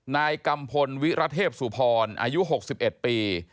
นายกัมพลวิระเทพสุพรอายุ๖๑ปี